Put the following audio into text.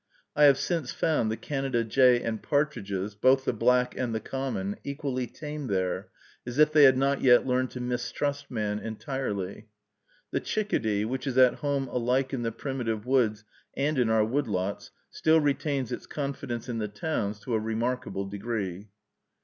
I have since found the Canada jay, and partridges, both the black and the common, equally tame there, as if they had not yet learned to mistrust man entirely. The chickadee, which is at home alike in the primitive woods and in our wood lots, still retains its confidence in the towns to a remarkable degree.